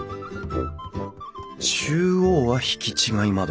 中央は引き違い窓。